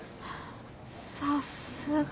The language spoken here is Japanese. さすが。